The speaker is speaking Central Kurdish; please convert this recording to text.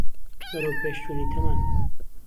بهرهوپێشچوونی تهمهن